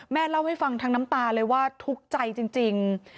เล่าให้ฟังทั้งน้ำตาเลยว่าทุกข์ใจจริง